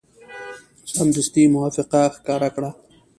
سمدستي موافقه ښکاره کړه.